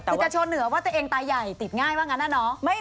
คือจะชนเหนือว่าตัวเองตาใหญ่ติดง่ายว่างั้นอะเนาะ